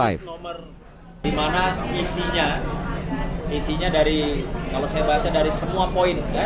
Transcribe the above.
isinya isinya dari kalau saya baca dari semua poin ya